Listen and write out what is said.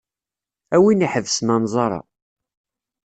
A win iḥebsen anẓar-a.